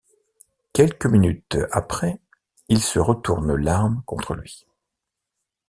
Quelques minutes après, il se retourne l'arme contre lui.